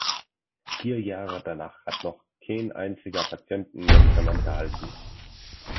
Vier Jahre danach hat noch kein einziger Patient ein Medikament erhalten.